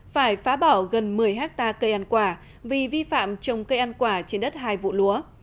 phải phá bỏ gần một mươi hectare cây ăn quả vì vi phạm trồng cây ăn quả trên đất hai vụ lúa